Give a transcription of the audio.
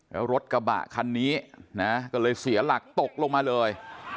แล้วรถกระบะคันนี้นะก็เลยเสียหลักตกลงมาเลย